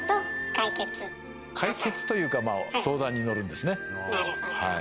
解決というかまあ相談に乗るんですねはい。